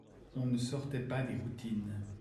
On ne sortait pas des routines.